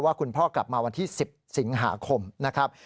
คุณพ่อกลับมาวันที่๑๐สิงหาคมนะครับ